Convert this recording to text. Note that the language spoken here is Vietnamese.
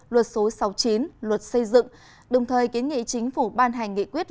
luật số sáu mươi chín luật xây dựng đồng thời kiến nghị chính phủ ban hành nghị quyết